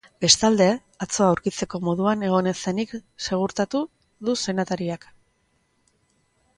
Bestalde, atzo aurkitzeko moduan egon ez zenik gezurtatu du senatariak.